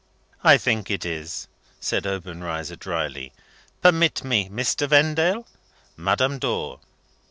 "I think it is," said Obenreizer, dryly. "Permit me, Mr. Vendale. Madame Dor."